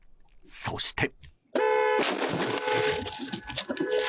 そして。